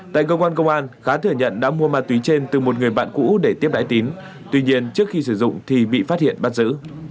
tại cơ quan công an khá thừa nhận đã mua ma túy trên từ một người bạn cũ để tiếp đại tín tuy nhiên trước khi sử dụng thì bị phát hiện bắt giữ